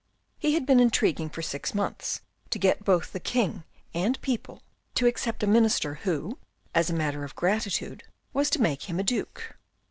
He had been intriguing for six months to get both the king and people to accept a minister who, as a matter of gratitude, was to make him a Duke.